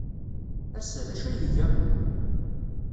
Ass-a, d acu ay iga?